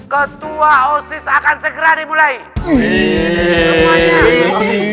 ketua osis akan segera dimulai